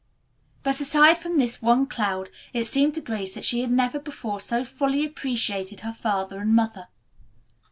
But aside from this one cloud it seemed to Grace that she had never before so fully appreciated her father and mother.